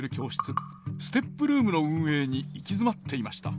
ＳＴＥＰルームの運営に行き詰まっていました。